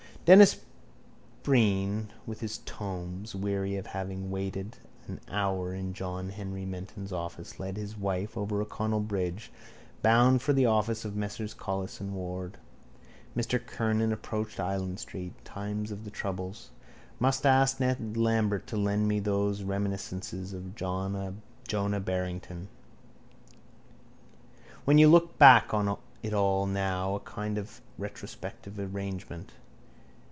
Denis Breen with his tomes, weary of having waited an hour in John Henry Menton's office, led his wife over O'Connell bridge, bound for the office of Messrs Collis and Ward. Mr Kernan approached Island street. Times of the troubles. Must ask Ned Lambert to lend me those reminiscences of sir Jonah Barrington. When you look back on it all now in a kind of retrospective arrangement.